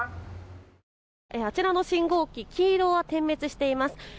あちらの信号機黄色が点滅しています。